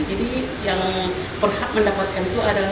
jadi yang perhat mendapatkan itu adalah